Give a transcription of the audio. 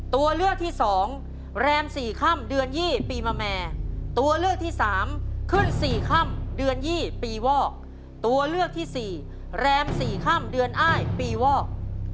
ตัวเลือกที่๒แรม๔ค่ำเดือน๒ปีมาแม่ตัวเลือกที่๓ขึ้น๔ค่ำเดือน๒ปีวอกตัวเลือกที่สี่แรม๔ค่ำเดือนอ้ายปีวอก